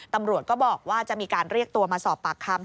ตำรวจก็บอกว่าจะมีการเรียกตัวมาสอบปากคำ